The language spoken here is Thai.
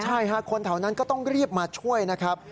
ใช่ค่ะคนแถวนั้นก็ต้องรีบมาช่วยนะครับ